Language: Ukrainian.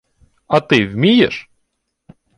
— А ти вмієш?